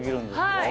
はい。